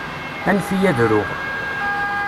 Anef-iyi ad ruɣ.